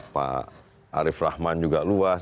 pak arief rahman juga luas